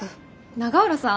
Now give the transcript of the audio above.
永浦さん？